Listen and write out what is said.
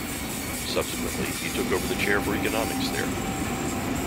Subsequently, he took over the chair for economics there.